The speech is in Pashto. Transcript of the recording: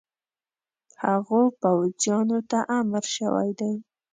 هغو پوځیانو ته امر شوی دی.